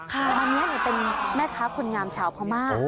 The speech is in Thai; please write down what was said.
หม่ามี้เป็นแม่ค้าคนงามเฉาเพราะมาก